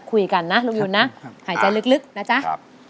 สวัสดีครับ